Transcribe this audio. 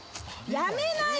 やめなよ！